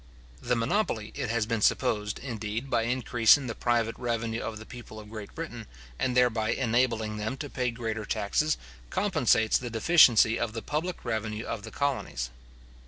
The monopoly, it has been supposed, indeed, by increasing the private revenue of the people of Great Britain, and thereby enabling them to pay greater taxes, compensates the deficiency of the public revenue of the colonies.